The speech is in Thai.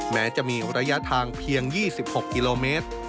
แม้จะมีระยะทางเพียง๒๖กิโลเมตร